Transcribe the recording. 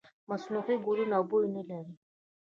مصنوعي ګلونه بوی نه لري.